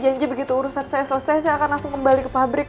janji begitu urusan saya selesai saya akan langsung kembali ke pabrik